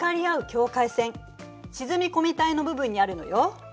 境界線沈み込み帯の部分にあるのよ。